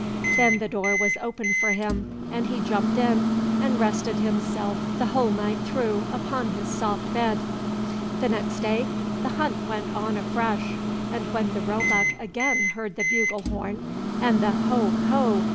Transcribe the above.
Then the door was opened for him, and he jumped in, and rested himself the whole night through upon his soft bed. The next day the hunt went on afresh, and when the roebuck again heard the bugle horn, and the ho! ho!